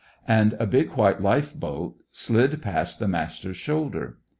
and a big white lifeboat slid past the Master's shoulder.